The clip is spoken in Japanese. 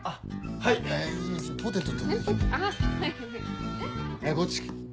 はいこっち。